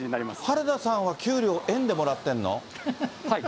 原田さんは給料、円でもらってんの？